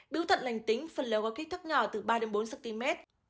biếu tận lành tính phần lớn có kích thước nhỏ từ ba bốn cm